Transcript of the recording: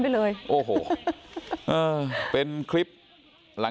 สวัสดีครับทุกคน